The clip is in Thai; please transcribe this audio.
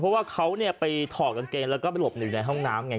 เพราะว่าเขาเนี่ยไปถอดกางเกงแล้วก็ไปหลบหนึ่งอยู่ในห้องน้ำ